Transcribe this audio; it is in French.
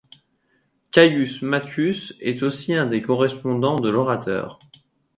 Caius Matius est aussi un des correspondants de l'orateur.